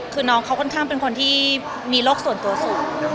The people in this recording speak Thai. คือน้องเขาค่อนข้างเป็นคนที่มีโรคส่วนตัวสูง